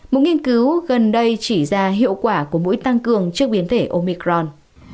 một nghiên cứu gần đây chỉ ra hiệu quả của mũi tăng cường trước biến thể omicron